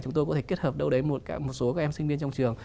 chúng tôi có thể kết hợp đâu đấy một số các em sinh viên trong trường